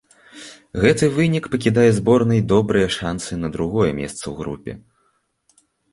Гэты вынік пакідае зборнай добрыя шанцы на другое месца ў групе.